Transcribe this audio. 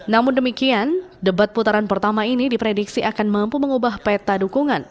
namun demikian debat putaran pertama ini diprediksi akan mampu mengubah peta dukungan